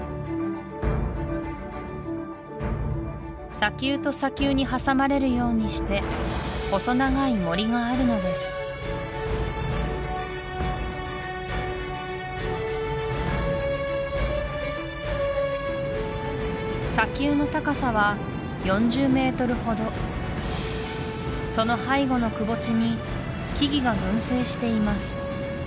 砂丘と砂丘に挟まれるようにして細長い森があるのです砂丘の高さは４０ｍほどその背後のくぼ地に木々が群生しています